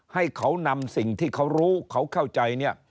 ให้เขานำสิ่งที่เขารู้เขาเข้าใจเนี่ย